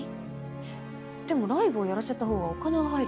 でもライブをやらせたほうがお金は入るか。